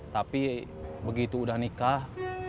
tapi begitu udah nikah